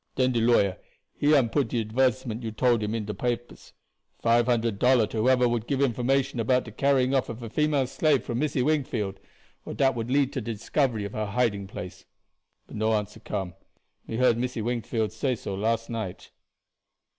Den de lawyer, he am put de advertisement you told him in the papers: Five hundred dollars to whoever would give information about de carrying off of a female slave from Missy Wingfield, or dat would lead to de discovery of her hiding place. But no answer come. Me heard Missy Wingfield say so last night."